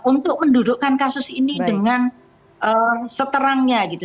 untuk mendudukkan kasus ini dengan seterangnya gitu